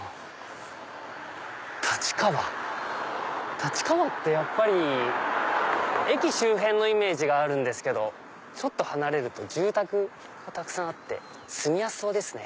立川ってやっぱり駅周辺のイメージがあるんですけどちょっと離れると住宅がたくさんあって住みやすそうですね。